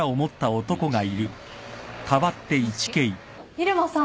入間さん